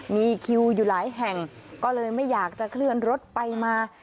มีคิวอยู่หลายแห่งก็เลยไม่อยากจะเคลื่อนรถไปมา